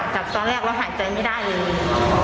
จากตอนแรกเราหายใจไม่ได้เลย